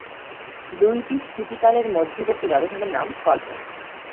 দুইটি স্থিতিকালের মধ্যবর্তী ব্যবধানের নাম কল্প।